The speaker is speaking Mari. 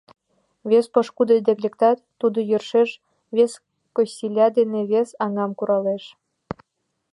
Вес пошкудо дек лектат — тудо йӧршеш вес косиля дене вес аҥам куралеш.